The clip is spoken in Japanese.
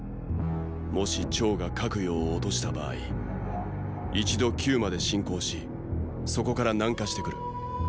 もし趙が拡陽を落とした場合一度級まで侵攻しそこから南下してくる。